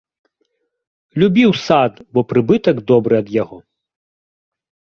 Любіў сад, бо прыбытак добры ад яго.